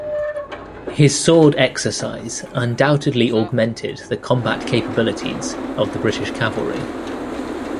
His sword exercise undoubtedly augmented the combat capabilities of the British cavalry.